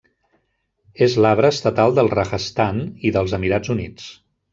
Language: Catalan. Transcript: És l'arbre estatal del Rajasthan i dels Emirats Units.